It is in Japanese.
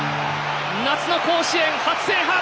夏の甲子園初制覇。